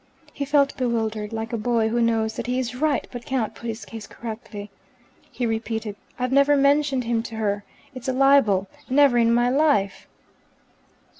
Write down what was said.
He felt bewildered, like a boy who knows that he is right but cannot put his case correctly. He repeated, "I've never mentioned him to her. It's a libel. Never in my life."